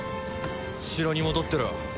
城に戻ってろ。